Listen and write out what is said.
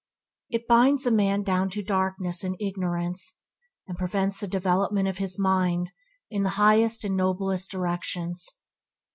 It binds a man down to darkness and ignorance, and prevents the development of his mind in the highest and noblest directions.